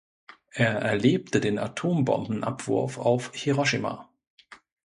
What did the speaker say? Er erlebte den Atombombenabwurf auf Hiroshima.